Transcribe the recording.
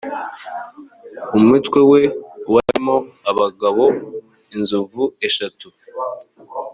umutwe we warimo abagabo inzovu eshatu